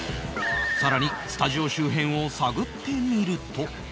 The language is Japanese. さらにスタジオ周辺を探ってみると